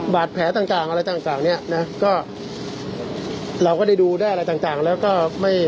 บาดแผลต่างต่างอะไรต่างเนี้ยนะก็เราก็ได้ดูได้อะไรต่างแล้วก็ไม่